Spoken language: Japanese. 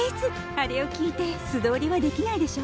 あれを聞いて素通りはできないでしょ。